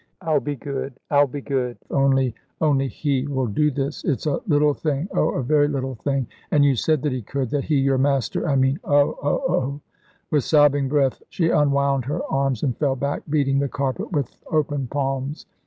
"I'll be good I'll be good, if only only He will do this! It's a little thing oh, a very little thing. And you said that He could that He, your Master, I mean. Oh! oh! oh!" With sobbing breath she unwound her arms and fell back beating the carpet with open palms.